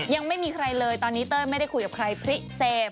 ยังไม่มีใครเลยตอนนี้เต้ยไม่ได้คุยกับใครพริกเสพ